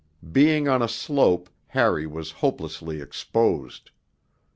Being on a slope, Harry was hopelessly exposed.